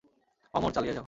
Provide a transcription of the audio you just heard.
অমর, চালিয়ে যাও!